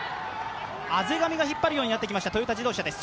畔上が引っ張るようになってきました、トヨタ自動車です。